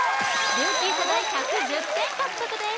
ルーキー世代１１０点獲得です